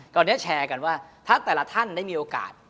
ตอนนี้แชร์กันว่าถ้าแต่ละท่านได้มีโอกาส